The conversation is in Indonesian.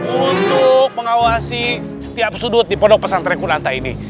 untuk mengawasi setiap sudut di pondok pesantren kunanta ini